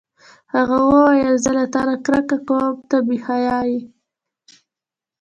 هغه وویل: زه له تا نه کرکه کوم، ته بې حیا یې.